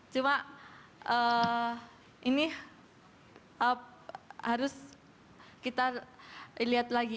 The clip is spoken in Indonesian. cuma ini harus kita lihat lagi